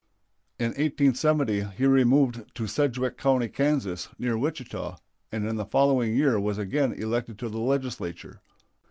In 1870 he removed to Sedgwick County, Kansas, near Wichita, and in the following year was again elected to the Legislature.